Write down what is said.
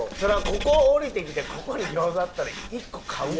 ここを降りてきてここに餃子あったら１個買うよ。